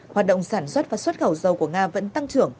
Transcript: hoạt động sản xuất và xuất khẩu dầu của nga vẫn tăng trưởng